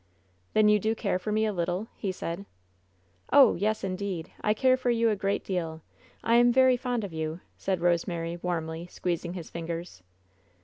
"Then, you do care for me a little?" he said. "Oh, yes, indeed, I care for you a great deal. I am very fond of you," said Rosemary, warmly, squeezing his fingers.